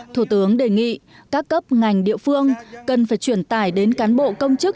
thủ tướng đề nghị các cấp ngành địa phương cần phải chuyển tài đến cán bộ công chức